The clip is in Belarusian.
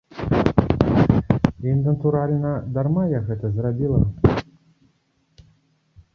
І, натуральна, дарма я гэта зрабіла.